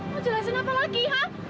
mau jelasin apa lagi ya